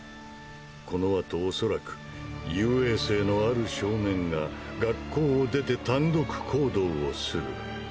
このあと恐らく雄英生のある少年が学校を出て単独行動をする。